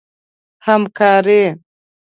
همکاري